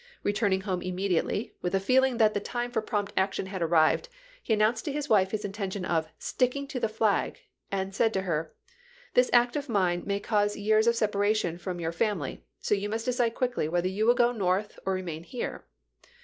Re tm'ning home immediately, with the feeling that the time for prompt action had arrived, he an nounced to his wife his intention of 'sticking to the flag,' and said to her, ' This act of mine may cause years of separation from your family; so Loyaii you must dccidc quickly whether you will go North "^uf#oV or remain here.'